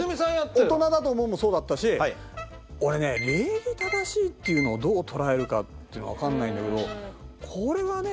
「大人だと思う」もそうだったし。俺ね「礼儀正しい」っていうのをどう捉えるかっていうのがわかんないんだけどこれはね。